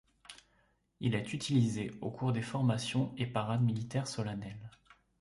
Il est utilisé au cours des formations et parades militaires solennelles.